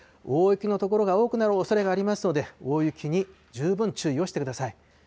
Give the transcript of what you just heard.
大雪の所が多くなるおそれがありますので、大雪に十分注意をしてください。